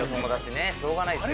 しょうがないですよね。